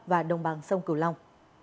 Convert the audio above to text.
và đồng bằng sông cửu long